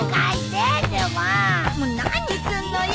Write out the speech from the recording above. もう何すんのよ！